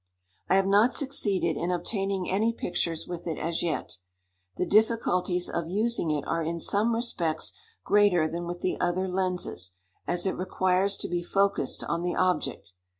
I have not succeeded in obtaining any pictures with it as yet. The difficulties of using it are in some respects greater than with the other lenses, as it requires to be focused on the object.